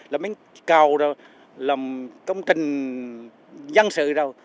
làm miếng cầu rồi làm công trình dân sự rồi